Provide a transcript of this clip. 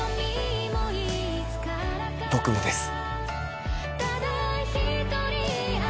僕もです